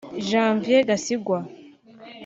Janvier Gasingwa